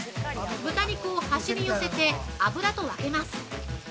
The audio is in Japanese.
豚肉を端に寄せて、油と分けます。